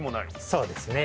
そうですね。